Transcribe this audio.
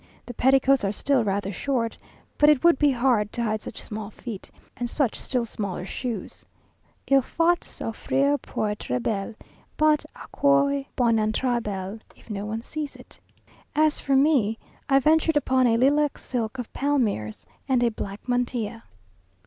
The petticoats are still rather short, but it would be hard to hide such small feet, and such still smaller shoes. "Il faut souffrir pour être belle," but à quoi bon être belle? if no one sees it. As for me, I ventured upon a lilac silk of Palmyre's, and a black mantilla.